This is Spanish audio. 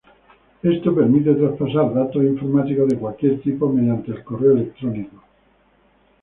Esto permite traspasar datos informáticos de cualquier tipo mediante el correo electrónico.